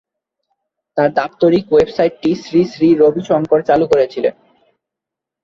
তাঁর দাপ্তরিক ওয়েবসাইটটি শ্রী শ্রী রবি শঙ্কর চালু করেছিলেন।